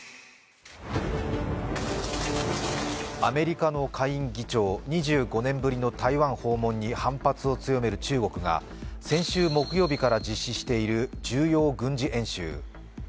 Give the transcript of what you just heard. アメリカの下院議長、２５年ぶりの台湾訪問に反発を強める中国が先週木曜日から実施している重要軍事演習。